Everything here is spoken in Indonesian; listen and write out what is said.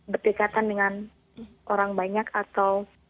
berdekatan dengan orang banyak atau